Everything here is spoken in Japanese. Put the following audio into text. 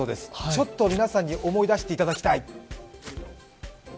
ちょっと皆さんに思い出してもらいたい。